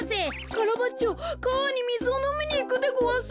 カラバッチョかわにみずをのみにいくでごわす。